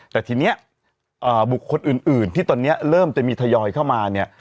แต่ทีนี้บุคคลอื่นที่ตอนนี้เริ่มจะมีทยอยเข้ามาเนี่ย